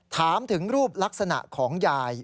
ถามถึงรูปลักษณะของยาย